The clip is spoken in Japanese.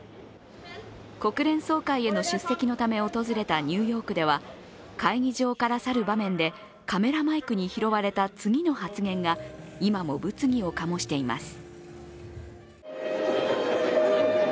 国連総会への出席のため訪れたニューヨークでは会議場から去る場面でカメラマイクに拾われた次の発言が、今も物議を醸しています。